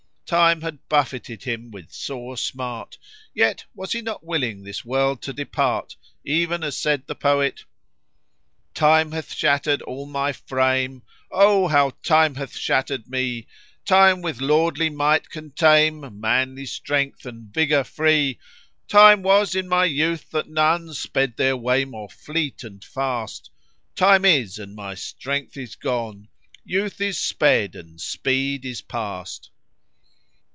Time had buffetted him with sore smart, yet was he not willing this world to depart; even as said the poet, "Time hath shattered all my frame, * Oh! how time hath shattered me. Time with lordly might can tame * Manly strength and vigour free. Time was in my youth, that none * Sped their way more fleet and fast: Time is and my strength is gone, * Youth is sped, and speed is past.